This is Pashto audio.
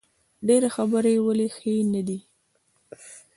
ډیرې خبرې ولې ښې نه دي؟